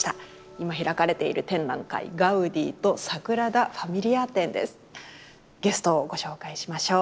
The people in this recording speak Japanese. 今開かれている展覧会ゲストをご紹介しましょう。